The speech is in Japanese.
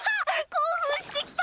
興奮してきた！